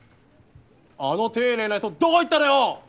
あの丁寧な人どこ行ったのよ！